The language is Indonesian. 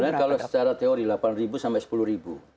sebenarnya kalau secara teori delapan ribu sampai sepuluh ribu